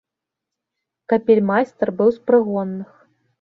Капельмайстар быў з прыгонных.